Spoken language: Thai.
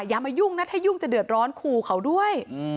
อย่ามายุ่งนะถ้ายุ่งจะเดือดร้อนขู่เขาด้วย